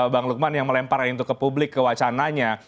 bang lukman yang melempar itu ke publik ke wacananya